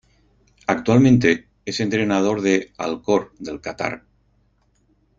Actualmente, es entrenador del Al-Khor del Catar.